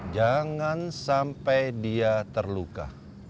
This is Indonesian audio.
jangan sampai dia terluka